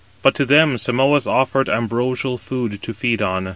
But to them Simois afforded ambrosial food to feed on.